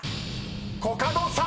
［コカドさん］